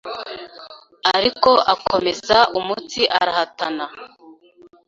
ariko akomeza umutsi arahatana